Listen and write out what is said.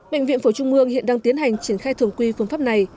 bệnh viện phổi trung ương hiện đang tiến hành triển khai thường quy phương pháp này